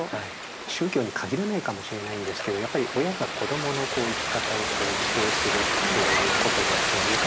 宗教に限らないかもしれないんですけどやっぱり親が子供の生き方を規定するっていうことの難しさ。